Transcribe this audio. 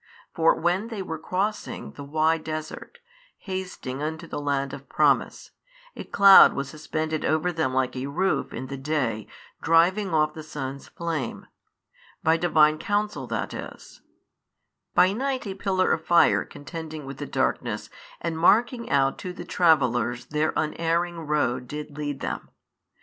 For when they were crossing the wide desert, hasting unto the Land of promise, a cloud was suspended over them like a roof in the day driving off the sun's flame, by Divine Counsel that is: by night a pillar of fire contending with the darkness and marking out to the travellers their un erring road did lead them.